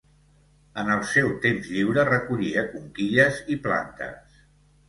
En el seu temps lliure recollia conquilles i plantes.